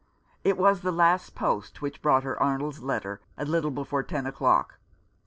It was the last post which brought her Arnold's letter, a little before ten o'clock.